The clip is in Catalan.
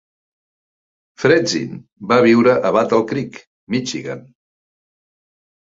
Fred Zinn va viure a Battle Creek, Michigan.